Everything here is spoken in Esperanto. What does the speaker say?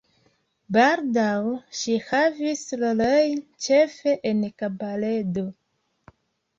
Baldaŭ ŝi havis rolojn ĉefe en kabaredo.